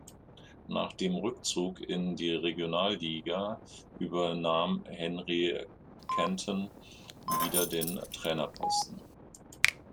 Nach dem Rückzug in die Regionalliga übernahm Henry Canton wieder den Trainerposten.